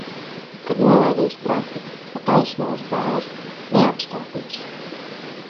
Kad nolaidīs trapu, pa taisno uz bāzi. Neapstāties!